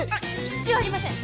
必要ありません